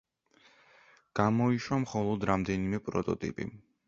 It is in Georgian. გამოიშვა მხოლოდ რამდენიმე პროტოტიპი.